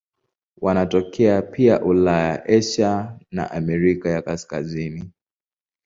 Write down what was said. Wanatokea pia Ulaya, Asia na Amerika ya Kaskazini.